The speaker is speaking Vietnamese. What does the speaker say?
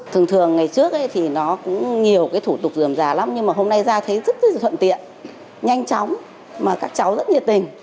thường thường ngày trước thì nó cũng nhiều cái thủ tục dườm già lắm nhưng mà hôm nay ra thấy rất là thuận tiện nhanh chóng mà các cháu rất nhiệt tình